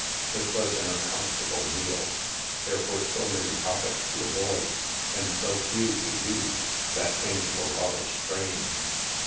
It was an uncomfortable meal. There were so many topics to avoid and so few to use that things were rather strained.